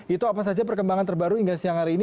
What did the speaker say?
itu apa saja perkembangan terbaru hingga siang hari ini